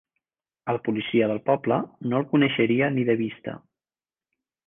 El policia del poble no el coneixeria ni de vista.